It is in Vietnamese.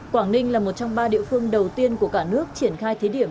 quảng ninh là một trong ba địa phương đầu tiên của cả nước triển khai thí điểm